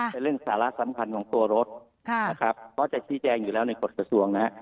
เป็นธรรมภัณฑ์ของตัวรถนะครับเพราะจะชี้แจงอยู่แล้วในกฎกระทรวง